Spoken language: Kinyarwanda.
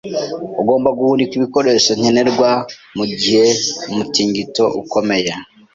Ugomba guhunika ibikoresho nkenerwa mugihe umutingito ukomeye.